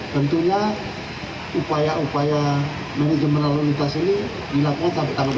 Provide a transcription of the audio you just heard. tentunya upaya upaya mengemeralitas ini dilakukan sampai tanggal dua puluh empat